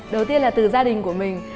đầu tiên là từ gia đình của mình